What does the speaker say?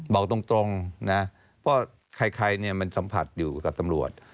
บอกตรงนะเพราะใครเนี่ยมันสัมผัสอยู่กับตำรวจ